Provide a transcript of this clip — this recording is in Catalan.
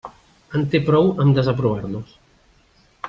En té prou amb desaprovar-los.